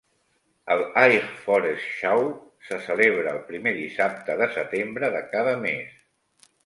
El "Highforest Show" se celebra el primer dissabte de setembre de cada mes.